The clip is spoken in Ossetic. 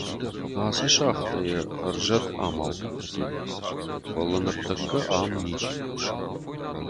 Ацы шахтӕйы ӕрзӕт амал кодтой, фӕлӕ ныртӕккӕ ам ничи кусы.